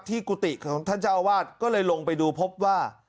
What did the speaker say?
กุฏิของท่านเจ้าอาวาสก็เลยลงไปดูพบว่า